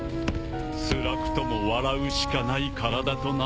つらくとも笑うしかない体となった上に。